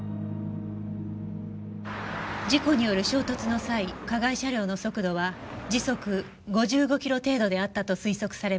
事故による衝突の際加害車両の速度は時速５５キロ程度であったと推測されます。